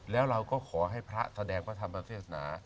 แล้วเราก็ขอให้พระแสดงพระธรรมเทศนา